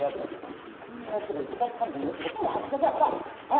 こんなやりとりで時間かかるのもったいない早く来なさいあっ